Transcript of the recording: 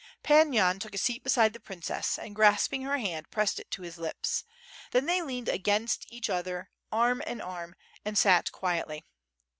Pan Yan took a seat beside the princess and grasping her hand, pressed it to his lips; then they leaned against each other arm in arm and sat quietly.